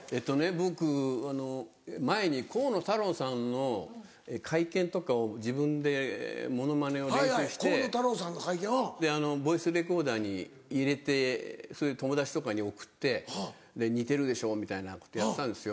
僕前に河野太郎さんの会見とかを自分でモノマネを練習してボイスレコーダーに入れてそれ友達とかに送って「似てるでしょ」みたいなことやってたんですよ。